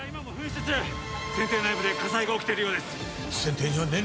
戦隊内部で火災が起きているようです。